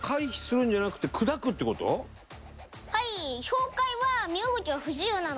はい。